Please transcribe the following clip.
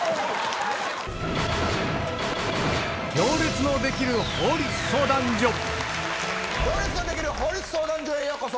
『行列のできる法律相談所』へようこそ。